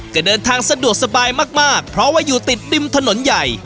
ก็เดินทางสะดวกสบายมากเพราะว่าอยู่ติดริมถนนใหญ่